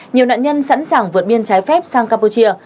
nhiều nạn nhân sẵn sàng vượt biên trái phép sang campuchia